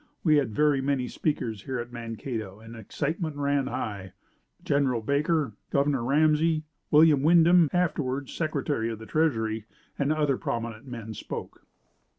We had very many speakers here at Mankato and excitement ran high. General Baker, Governor Ramsey, Wm. Windom, afterwards Secretary of the Treasury and other prominent men spoke.